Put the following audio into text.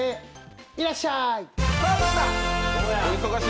いらっしゃーい。